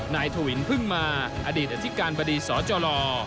ถวินเพิ่งมาอดีตอธิการบดีสจ